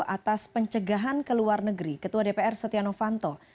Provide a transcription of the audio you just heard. atas pencegahan ke luar negeri ketua dpr setiano fanto